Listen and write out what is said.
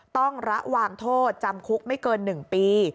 ต้องระวังโทษจำคุกไม่เกิน๑ปี